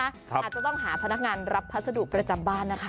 อาจจะต้องหาพนักงานรับพัสดุประจำบ้านนะคะ